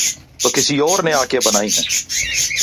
تو کسی اور نے آ کے بنانی ہیں۔